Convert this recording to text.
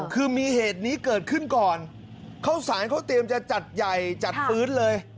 คือมีเหตุนี้เกิดขึ้นก่อนเข้าสารเขาเตรียมจะจัดใหญ่จัดฟื้นเลย